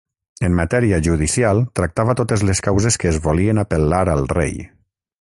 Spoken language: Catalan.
En matèria judicial tractava totes les causes que es volien apel·lar al rei.